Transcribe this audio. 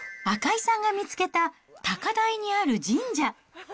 赤井さんが見つけた、高台にある神社。